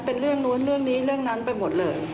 เป็นเรื่องนู้นเรื่องนี้เรื่องนั้นไปหมดเลย